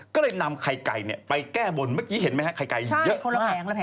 ก็เลยนำไข่ไก่ไปแก้บนเมื่อกี้เห็นไหมฮะไข่ไก่อยู่เยอะ